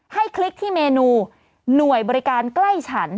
คลิกที่เมนูหน่วยบริการใกล้ฉัน